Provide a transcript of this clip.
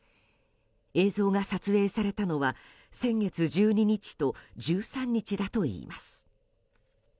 映像が撮影されたのは先月１２日と１３日だといいます。